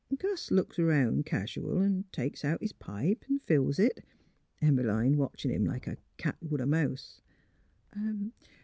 Gus looks 'round casual an' takes out his pipe an' fills it — Em 'line watchin' him like a cat would a mouse.